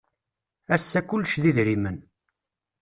Ass-a kullec d idrimen.